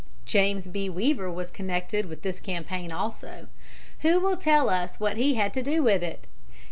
James B. Weaver was connected with this campaign also. Who will tell us what he had to do with it?